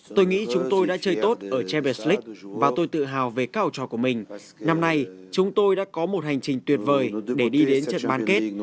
tôi nghĩ chúng tôi đã chơi tốt ở chavis league và tôi tự hào về các học trò của mình năm nay chúng tôi đã có một hành trình tuyệt vời để đi đến trận bán kết